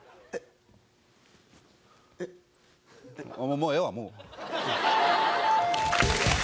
もうええわもう。